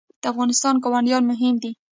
د افغانستان ګاونډیان مهم دي